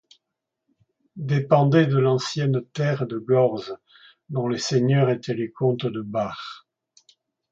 Dépendait de l'ancienne Terre de Gorze dont les seigneurs étaient les comtes de Bar.